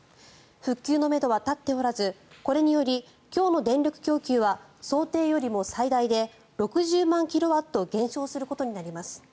復旧のめどは立っておらずこれにより今日の電力供給は想定よりも最大で６０万キロワット減少することになります。